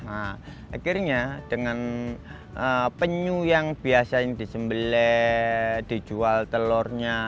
akhirnya dengan penyu yang biasa yang disembele dijual telurnya